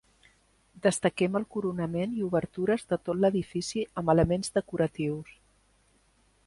Destaquem el coronament i obertures de tot l'edifici amb elements decoratius.